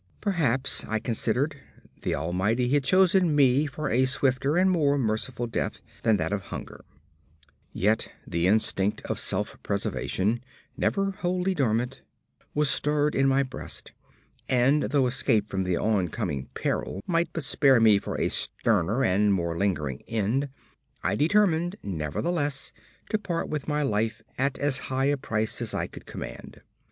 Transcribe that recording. Perhaps, I considered, the Almighty had chosen for me a swifter and more merciful death than that of hunger; yet the instinct of self preservation, never wholly dormant, was stirred in my breast, and though escape from the on coming peril might but spare me for a sterner and more lingering end, I determined nevertheless to part with my life at as high a price as I could command.